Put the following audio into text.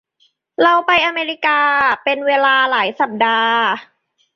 เราไปอเมริกาเป็นเวลาหลายสัปดาห์